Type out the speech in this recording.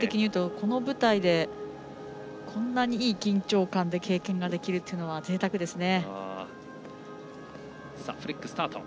この舞台でこんなにいい緊張感で経験ができるっていうのはぜいたくですね。